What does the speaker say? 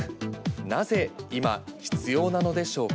なぜ今必要なのでしょうか。